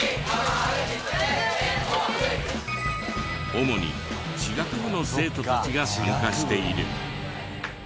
主に地学部の生徒たちが参加している。